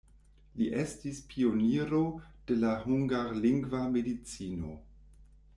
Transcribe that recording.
Li estis pioniro de la hungarlingva medicino.